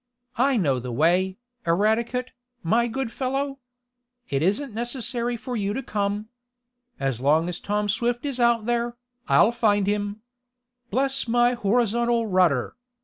I know the way, Eradicate, my good fellow. It isn't necessary for you to come. As long as Tom Swift is out there, I'll find him. Bless my horizontal rudder!